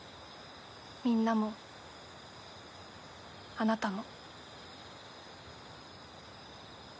みんなもあなたも。